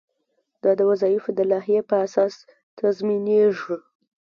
دا د وظایفو د لایحې په اساس تنظیمیږي.